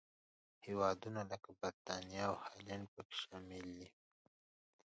هېوادونه لکه برېټانیا او هالنډ پکې شامل دي.